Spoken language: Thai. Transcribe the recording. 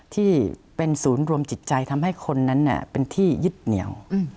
ที่เป็นศูนย์รวมจิตใจทำให้คนนั้นเป็นที่ยึดเหนียว